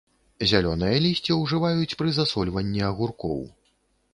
Зялёнае лісце ўжываюць пры засольванні агуркоў.